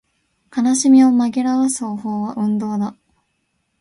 悲しみを紛らわす方法は運動だ